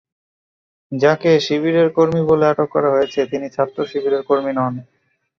যাঁকে শিবিরের কর্মী বলে আটক করা হয়েছে, তিনি ছাত্রশিবিরের কর্মী নন।